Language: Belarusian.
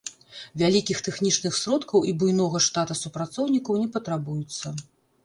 Вялікіх тэхнічных сродкаў і буйнога штата супрацоўнікаў не патрабуецца.